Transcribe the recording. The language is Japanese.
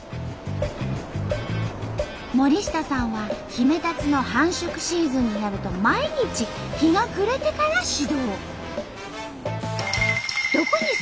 森下さんはヒメタツの繁殖シーズンになると毎日日が暮れてから始動。